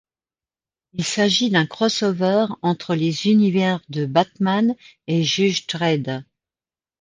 Il s’agit d’un crossover entre les univers de Batman et Judge Dredd.